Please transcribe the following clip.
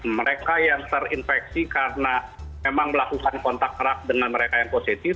mereka yang terinfeksi karena memang melakukan kontak erat dengan mereka yang positif